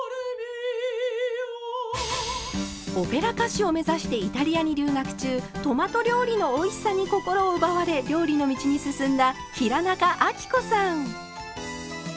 オペラ歌手を目指してイタリアに留学中トマト料理のおいしさに心を奪われ料理の道に進んだ平仲亜貴子さん。